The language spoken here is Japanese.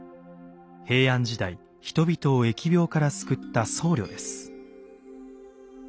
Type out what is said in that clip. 平安時代人々を疫病から救った僧侶です。